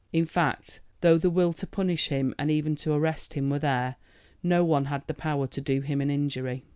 In fact, though the will to punish him, and even to arrest him, was there, no one had the power to do him an injury.